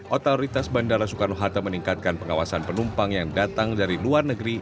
otoritas bandara soekarno hatta meningkatkan pengawasan penumpang yang datang dari luar negeri